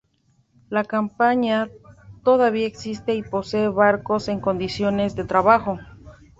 La compañía todavía existe y posee barcos en condiciones de trabajo.